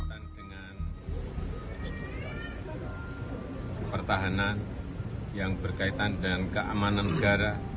dengan pertahanan yang berkaitan dengan keamanan negara